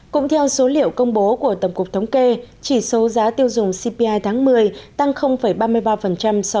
cũng theo số liệu công bố của tổng cục thống kê chỉ số giá tiêu dùng cpi tháng một mươi tăng ba mươi ba so với